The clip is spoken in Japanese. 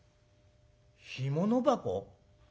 「干物箱？